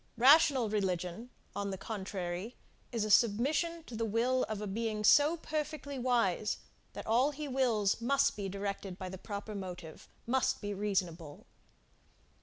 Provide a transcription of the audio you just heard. Rational religion, on the contrary, is a submission to the will of a being so perfectly wise, that all he wills must be directed by the proper motive must be reasonable.